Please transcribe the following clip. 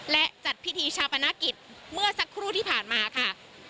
และจัดพิธีชาปนกิจเมื่อสักครู่ที่ผ่านมาค่ะ